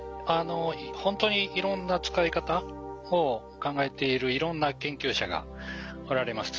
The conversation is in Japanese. ほんとにいろんな使い方を考えているいろんな研究者がおられます。